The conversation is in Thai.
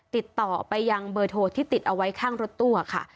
ติดต่อไปยังเบอร์โทรที่ติดเอาไว้ข้างรถตู้ค่ะ